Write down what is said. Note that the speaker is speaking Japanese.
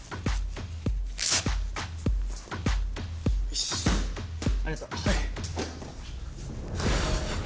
よしありがとう。